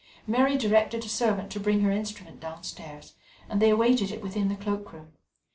Mary directed a servant to bring her instrument downstairs, and they awaited it within the cloak room.